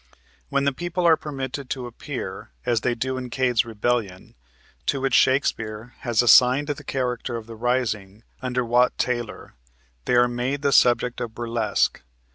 When the people are permitted to appear, as they do in Cade's rebellion, to which Shakespeare has assigned the character of the rising under Wat Tyler, they are made the subject of burlesque.